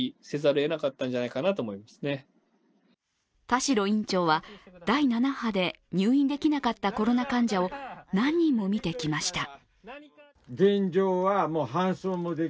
田代院長は第７波で入院できなかったコロナ患者を何人も診てきました。